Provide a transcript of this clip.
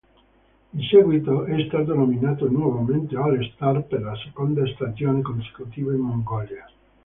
In seguito è stato nominato nuovamente All-Star, per la seconda stagione consecutiva in Mongolia.